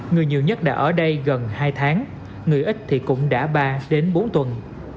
người nhiều nhất đã ở đây gần hai tháng người ít thì cũng đã ba đến bốn tuần